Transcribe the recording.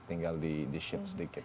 tinggal di shift sedikit